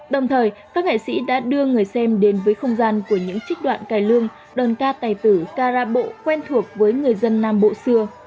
đồng thời các nghệ sĩ đã đưa người xem đến với không gian của những trích đoạn cải lương đơn ca tài tử carab bộ quen thuộc với người dân nam bộ xưa